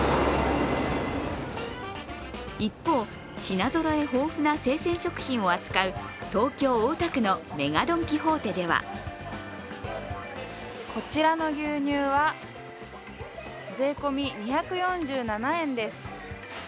一方、品ぞろえ豊富な生鮮食品を扱う東京・大田区のＭＥＧＡドン・キホーテではこちらの牛乳は税込み２４７円です